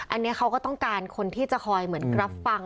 อันนี้เขาก็ต้องการคนที่จะคอยเหมือนรับฟัง